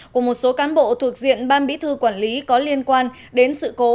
của một số cán bộ thuộc diện ban bí thư quản lý có liên quan đến sự cố